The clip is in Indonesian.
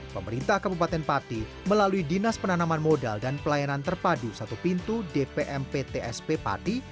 pemerintah kabupaten pati melalui dinas penanaman modal dan pelayanan terpadu satu pintu dpmptsp pati